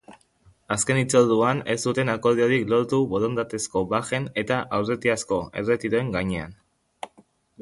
Azken hitzorduan, ez zuten akordiorik lortu borondatezko bajen eta aurretiazko erretiroen gainean.